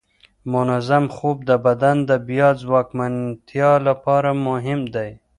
منظم خوب د بدن د بیا ځواکمنتیا لپاره مهم دی.